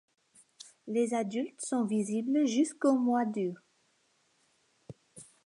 Les adultes sont visibles jusqu'au mois d'août.